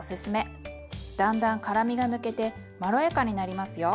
だんだん辛みが抜けてまろやかになりますよ。